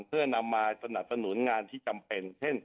เพื่อนำมาสนับสนุนงานที่จำเป็นเช่น